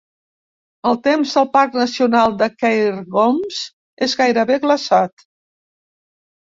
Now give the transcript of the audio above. El temps del parc nacional de Cairngorms és gairebé glaçat